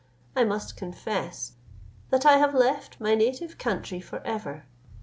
I must confess that I have left my native country for ever.